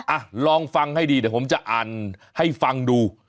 อ่ะลองฟังให้ดีเดี๋ยวผมจะอ่านให้ฟังดู